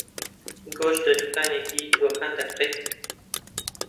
گۆشت لە دوکانێکی جووەکان دەکڕێت.